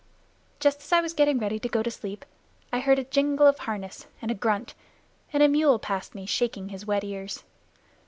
Just as I was getting ready to go to sleep I heard a jingle of harness and a grunt, and a mule passed me shaking his wet ears.